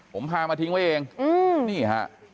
ผมพามาทิ้งไว้เองนี่ฮะ